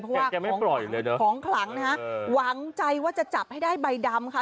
เพราะว่าของขลังนะฮะหวังใจว่าจะจับให้ได้ใบดำค่ะ